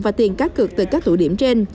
và tiền cá cược từ các tụ điểm trên